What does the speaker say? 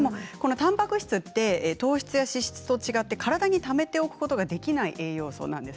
たんぱく質は糖質や脂質と違って体にためておくことができない栄養素なんです。